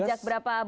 sejak berapa bulan